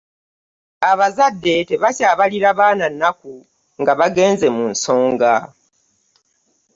abazadde tebakyabalira baana nnaku nga bagenze mu nsonga